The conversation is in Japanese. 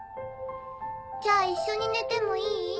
じゃあ一緒に寝てもいい？